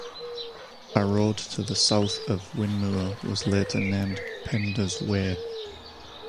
A road to the south of Whinmoor was later named Penda's Way.